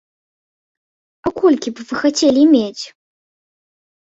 А колькі вы б хацелі мець?